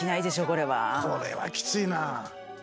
これはきついな。